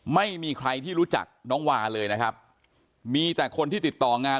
ไม่มีใครที่รู้จักน้องวาเลยนะครับมีแต่คนที่ติดต่องาน